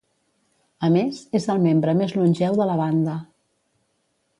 A més, és el membre més longeu de la banda.